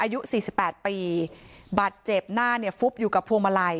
อายุ๔๘ปีบาดเจ็บหน้าเนี่ยฟุบอยู่กับพวงเมอร์ไลย